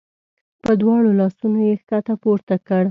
په دواړو لاسونو یې ښکته پورته کړ.